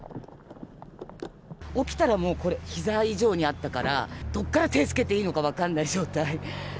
起きたらもうこれ、ひざ以上にあったから、どこから手つけていいのか分からない状態。